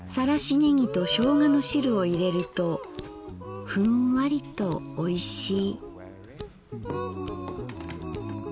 ねぎとしょうがの汁をいれるとフンワリとおいしい」。